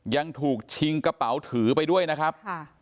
ยังถูกชิงกระเป๋าถือไปด้วยนะครับ